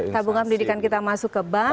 tabungan pendidikan kita masuk ke bank